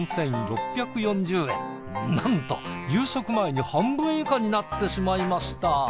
なんと夕食前に半分以下になってしまいました。